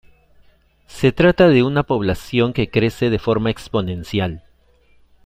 Se trata de una población que crece de forma exponencial.